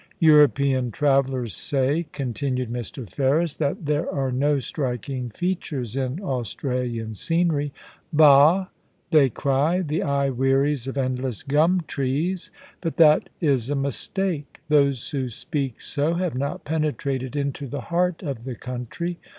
* European travellers say,' continued Mr. Ferris, 'that there are no striking features in Australian scener)\ Bah ! they cry — the eye wearies of endless gum trees. But that is a mistake. Those who speak so have not penetrated into the heart of the country.